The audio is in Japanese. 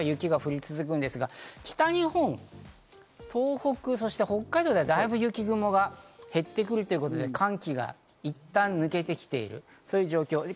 こちらでは雪が降り続くんですが、北日本、東北、北海道ではだいぶ雪雲が減ってくるということで寒気が一旦抜けてきている、そういう状況。